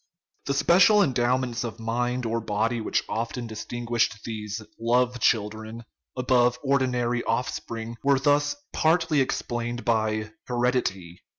The special endowments of mind or body which often distinguished these " children of love " above ordinary offspring were thus partly explained by " heredity."